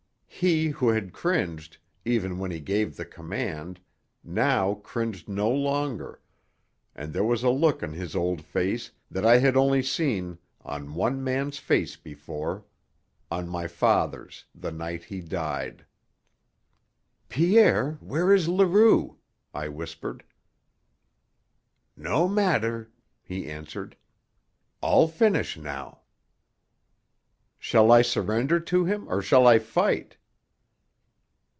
He, who had cringed, even when he gave the command, now cringed no longer, and there was a look on his old face that I had only seen on one man's before on my father's, the night he died. "Pierre, where is Leroux?" I whispered. "No matter," he answered. "All finish now." "Shall I surrender to him or shall I fight?"